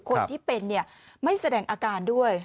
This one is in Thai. คนที่เป็นไม่แสดงอาการด้วย